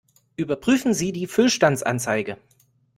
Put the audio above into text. Überprüfen Sie die Füllstandsanzeige!